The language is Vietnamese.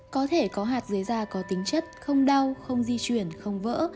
có thể có hạt dưới da có tính chất không đau không di chuyển không vỡ